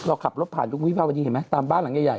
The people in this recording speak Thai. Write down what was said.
เราขับรถผ่านทุกวิพักษณ์ตามบ้านหลังใหญ่